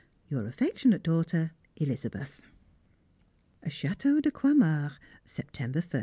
Your affectionate daughter, Elizabeth. Château de Croixmare, September 1st.